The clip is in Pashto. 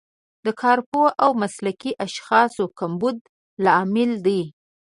د کارپوه او مسلکي اشخاصو کمبود لامل دی.